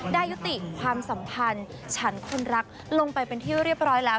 ได้ยุติความสัมพันธ์ฉันคนรักลงไปเป็นที่เรียบร้อยแล้ว